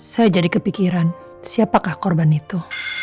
saya jadi kepikiran siapakah korban itu